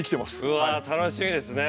うわ楽しみですね。